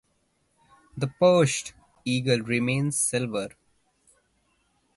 The perched eagle remains silver.